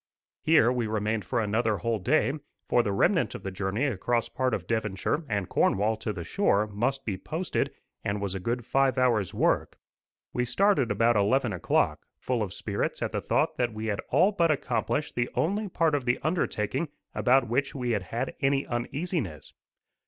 Here we remained for another whole day, for the remnant of the journey across part of Devonshire and Cornwall to the shore must be posted, and was a good five hours' work. We started about eleven o'clock, full of spirits at the thought that we had all but accomplished the only part of the undertaking about which we had had any uneasiness.